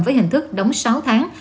với hình thức đóng sáu tháng